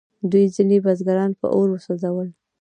دوی ځینې بزګران په اور وسوځول.